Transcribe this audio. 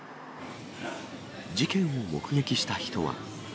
事件を目撃した人は。